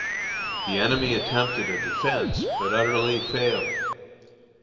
The enemy attempted a defence, but utterly failed.